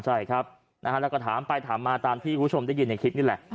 ใช่ครับแล้วก็ถามไปถามมาตามที่คุณผู้ชมได้ยินในคลิปนี่แหละ